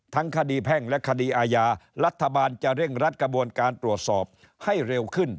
ทั้งคดีแพ่งและคดีอาญารัฐบาลจะเร่งรัดกระบวนการตรวจสอบให้เร็วขึ้น